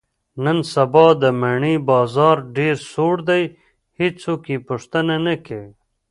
نن سبا د مڼې بازار ډېر سوړ دی، هېڅوک یې پوښتنه نه کوي.